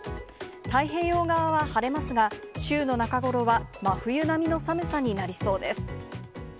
太平洋側は晴れますが、週の中頃は真冬並みの寒さになりそうです。